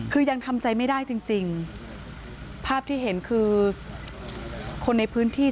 คือยังทำใจไม่ได้จริงจริงภาพที่เห็นคือคนในพื้นที่